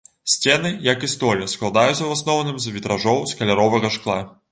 Сцены, як і столь, складаюцца ў асноўным з вітражоў з каляровага шкла.